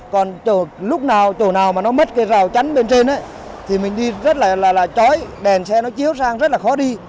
còn chỗ nào mà nó mất cây rào chắn bên trên thì mình đi rất là trói đèn xe nó chiếu sang rất là khó đi